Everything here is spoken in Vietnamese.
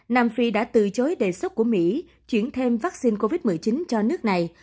nam phi đã từ chối đề xuất của mỹ chuyển thêm vaccine covid một mươi chín cho nước này